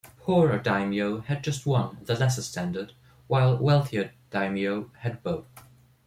Poorer "daimyo" had just one, the lesser standard, while wealthier "daimyo" had both.